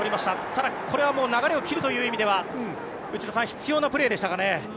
ただ、これはもう流れを切るという意味では内田さん必要なプレーでしたかね。